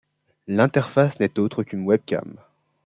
L'interface n'est autre qu'une webcam.